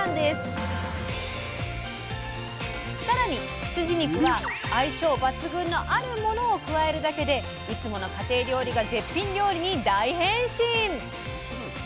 さらに羊肉は相性抜群のあるものを加えるだけでいつもの家庭料理が絶品料理に大変身！